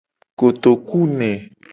Kotokuene.